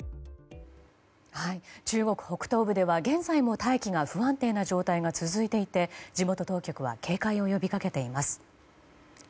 中国北東部では現在も大気が不安定な状態が続いていて、地元当局は警戒を呼びかけています。